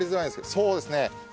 そうですね。